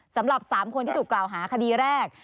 สำหรับ๓คนที่ถูกกล่าวหาคดีแรก